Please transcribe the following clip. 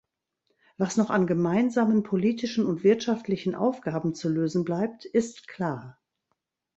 Was noch an gemeinsamen politischen und wirtschaftlichen Aufgaben zu lösen bleibt, ist klar.